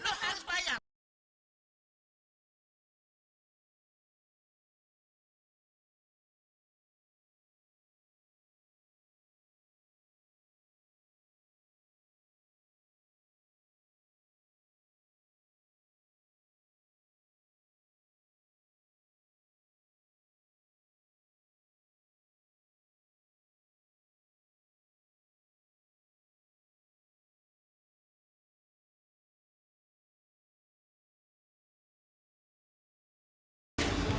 lo harus bayar